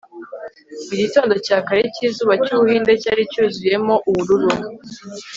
Mu gitondo cya kare cyizuba cyu Buhinde cyari cyuzuyemo ubururu